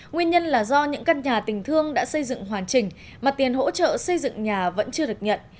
nguyên nhân là do những căn nhà tình thương đã xây dựng hoàn chỉnh mà tiền hỗ trợ xây dựng nhà vẫn chưa được nhận